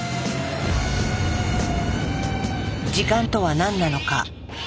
時間とは何なのか。